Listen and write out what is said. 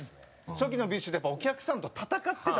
初期のＢｉＳＨってやっぱお客さんと闘ってたんですよ。